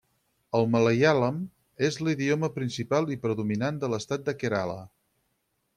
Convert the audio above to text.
El malaiàlam és l'idioma principal i predominant de l'estat de Kerala.